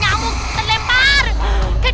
ya udah sama aja